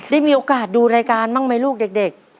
ได้มีโอกาสดูรายการบ้างไหมลูกเด็ก